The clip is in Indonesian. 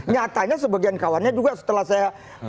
nyatanya sebagian kawannya juga setelah saya